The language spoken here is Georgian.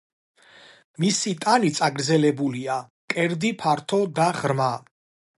მისი ტანი წაგრძელებულია, მკერდი ფართო და ღრმა.